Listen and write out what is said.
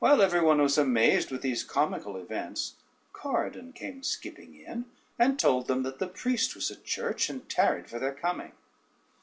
While every one was amazed with these comical events, Corydon came skipping in, and told them that the priest was at church, and tarried for their coming.